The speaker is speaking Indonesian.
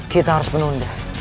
kita harus menunda